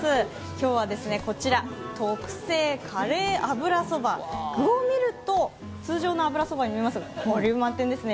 今日はこちら、特製カレー油そば、具を見ると通常の油そばに見えますがボリューム満点ですね。